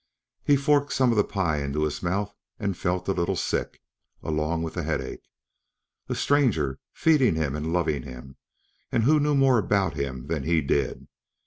He forked some of the pie into his mouth and felt a little sick, along with the headache. A stranger feeding him and loving him, and who knew more about him than he did.